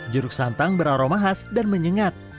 jeruk santang beraroma khas dan menyengat